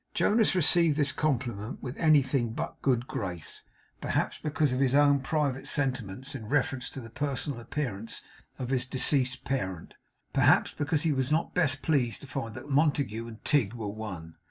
Jonas received this compliment with anything but a good grace, perhaps because of his own private sentiments in reference to the personal appearance of his deceased parent; perhaps because he was not best pleased to find that Montague and Tigg were one.